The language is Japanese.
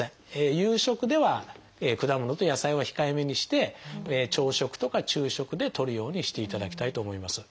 夕食では果物と野菜は控えめにして朝食とか昼食でとるようにしていただきたいと思います。